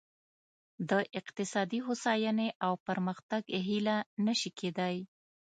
د اقتصادي هوساینې او پرمختګ هیله نه شي کېدای.